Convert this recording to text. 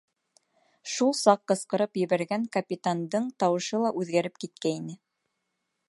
Шул саҡ ҡысҡырып ебәргән капитандың тауышы ла үҙгәреп киткәйне: